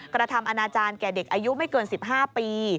กระทำอนาจารย์แก่เด็กอายุไม่เกิน๑๕ปี